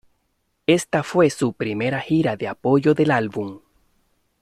Esta fue su primera gira de apoyo del álbum.